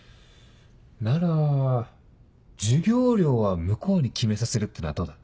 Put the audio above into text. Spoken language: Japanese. なら授業料は向こうに決めさせるってのはどうだ？